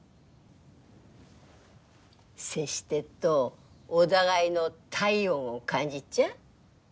接してっとお互いの体温を感じっちゃ？